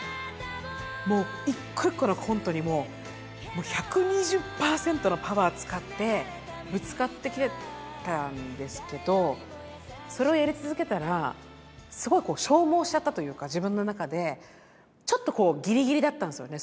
もう一個一個のコントにもう１２０％のパワー使ってぶつかってきてたんですけどそれをやり続けたらすごい消耗しちゃったというか自分の中でちょっとギリギリだったんですよね。